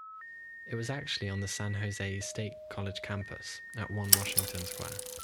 It was actually on the San Jose State College campus at One Washington Square.